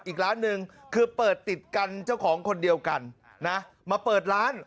อีกร้านหนึ่งคือเปิดติดกันเจ้าของคนเดียวกันนะมาเปิดร้าน